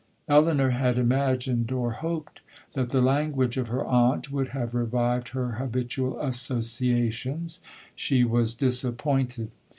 Elinor had imagined or hoped, that the language of her aunt would have revived her habitual associations—she was disappointed.